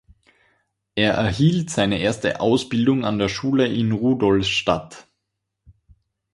Er erhielt seine erste Ausbildung an der Schule in Rudolstadt.